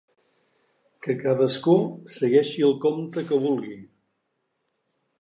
Que cadascú segueixi el compte que vulgui.